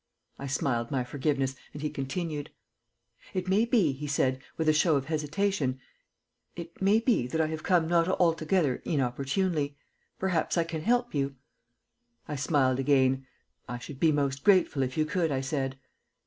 I smiled my forgiveness, and he continued: "It may be," he said, with a show of hesitation "it may be that I have come not altogether inopportunely. Perhaps I can help you." I smiled again. "I should be most grateful if you could," I said.